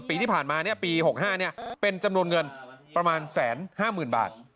ปีที่ผ่านมาปี๖๕เป็นจำนวนเงินประมาณ๑๕๐๐๐บาท